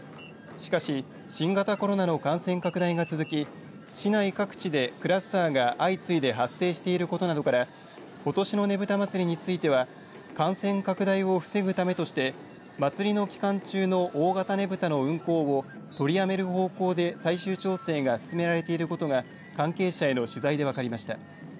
しかし、新型コロナの感染拡大が続き市内各地でクラスターが相次いで発生していることなどからことしのねぶた祭については感染拡大を防ぐためとして祭りの期間中の大型ねぶたの運行を取りやめる方向で最終調整が進められていることが関係者への取材で分かりました。